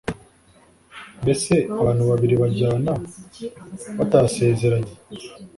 Mbese abantu babiri bajyana batasezeranye?